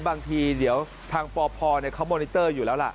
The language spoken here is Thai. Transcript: บางทีเดี๋ยวทางปพเขามอนิเตอร์อยู่แล้วล่ะ